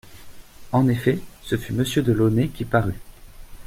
En effet, ce fut monsieur de Launay qui parut.